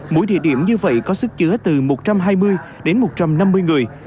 mỗi địa điểm như vậy có sức chứa từ một trăm hai mươi đến một trăm năm mươi người